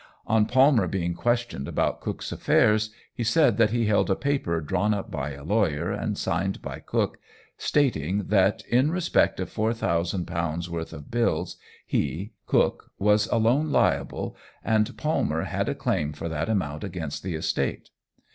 On Palmer being questioned about Cook's affairs, he said that he held a paper drawn up by a lawyer, and signed by Cook, stating that, in respect of £4,000 worth of bills, he (Cook) was alone liable, and Palmer had a claim for that amount against the estate.